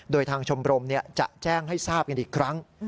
โดยทางชมรมจะแจ้งให้ทราบกันอีกครั้ง